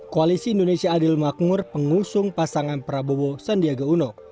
koalisi indonesia adil makmur pengusung pasangan prabowo sandiaga uno